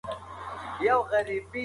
ما په ادب پوښتنه ترې وکړه.